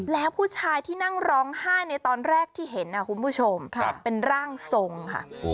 แล้วผู้ชายที่นั่งร้องไห้ในตอนแรกที่เห็นคุณผู้ชมเป็นร่างทรงค่ะ